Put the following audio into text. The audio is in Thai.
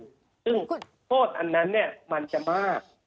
ซึ่งโทษอันนั้นมันจะมาก